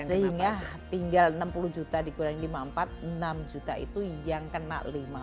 sehingga tinggal enam puluh juta dikurangi lima puluh empat enam juta itu yang kena lima